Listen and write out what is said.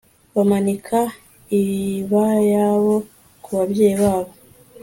bamanika ibayabo kubabyeyi babo